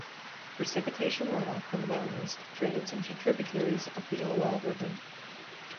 Precipitation runoff from the mountain drains into tributaries of the Elwha River.